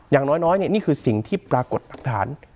อย่างน้อยนี่คือสิ่งที่ปรากฏหลักฐาน